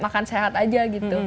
makan sehat aja gitu